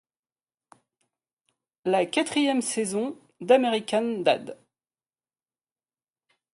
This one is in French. La quatrième saison dAmerican Dad!